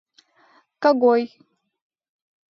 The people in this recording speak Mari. — Кого-ой!..